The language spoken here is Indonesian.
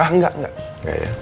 ah enggak enggak